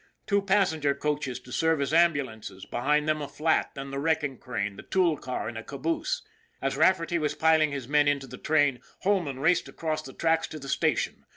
Two passenger coaches to serve as ambulances, behind them a flat, then the wrecking crane, the tool car, and a caboose. As Rafferty was piling his men into the train, Holman raced across the tracks to the station.